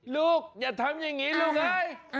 ลูกอย่าทำอย่างงี้เลย